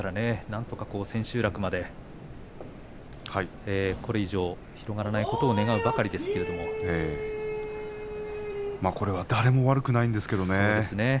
なんとか千秋楽までこれ以上広がらないことをこれは誰も悪くないんですけれどね。